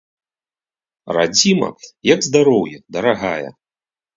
Радзіма, як здароўе, дарагая!